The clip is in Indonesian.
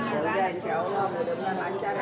ya udah insya allah mudah mudahan lancar ya